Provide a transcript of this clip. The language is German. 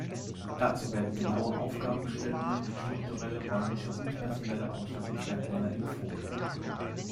Dazu werden genaue Aufgabenstellungen, strukturelle, räumliche und personelle Ausstattungsmerkmale empfohlen.